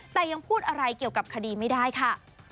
แต่ยังพูดอะไรเกี่ยวกับคดีไม่ได้ค่ะ